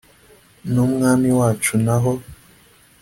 N umwami wacu naho